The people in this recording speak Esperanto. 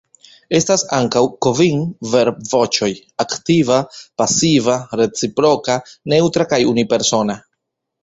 Estas ankaŭ kvin verbvoĉoj: aktiva, pasiva, reciproka, neŭtra kaj unipersona.